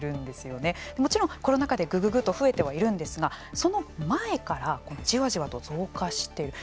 もちろんコロナ禍でグググッと増えてはいるんですがその前からじわじわと増加してる。